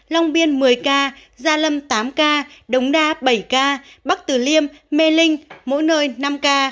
long biên một mươi ca gia lâm tám ca đống đa bảy ca bắc tử liêm mê linh mỗi nơi năm ca